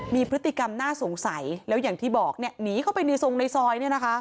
มีพฤติกรรมน่าสงสัยแล้วอย่างที่บอกหนีเข้าไปในทรงในซอย